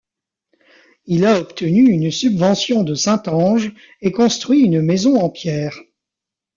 Il a obtenu une subvention de Saint-Ange et construit une maison en pierre.